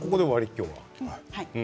今日は。